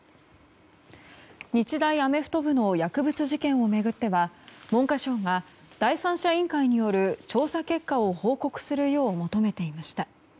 日大アメフト部の薬物事件を巡っては文科省が、第三者委員会による調査結果を報告するよう求めていました。